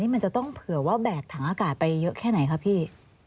มันจะต้องเผื่อว่าแบกถังอากาศไปเยอะแค่ไหนคะพี่